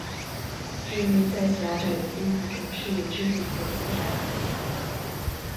智力在狭窄的定义中是以智力测验来衡量。